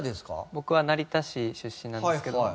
僕は成田市出身なんですけど。